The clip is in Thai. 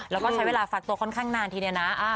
แล้วก็ใช้เวลาฟักตัวค่อนข้างนานทีเดียวนะ